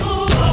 aduh agak it